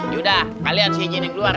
yaudah kalian sijinin keluar